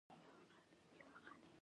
دوی غوښتل چې دا قيمتي غمی وغواړي